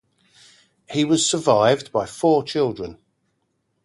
He was survived by four children.